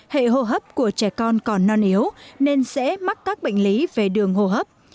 hệ hô hấp của trẻ con còn non yếu nên dễ mắc các bệnh lý về đường hô hấp